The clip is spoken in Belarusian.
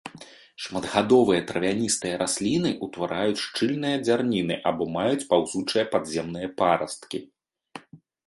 Шматгадовыя травяністыя расліны, утвараюць шчыльныя дзярніны або маюць паўзучыя падземныя парасткі.